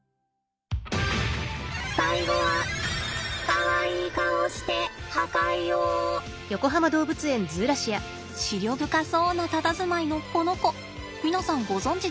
最後はかわいい顔して思慮深そうなたたずまいのこの子皆さんご存じですか？